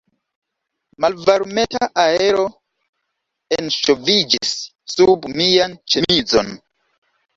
Malvarmeta aero enŝoviĝis sub mian ĉemizon.